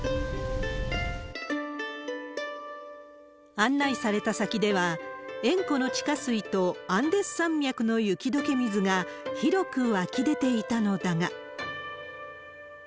案内された先では、塩湖の地下水とアンデス山脈の雪どけ水が広く湧き出ていたのだが。